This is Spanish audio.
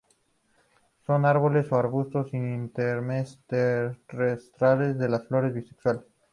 Son árboles o arbustos inermes, terrestres, las flores bisexuales.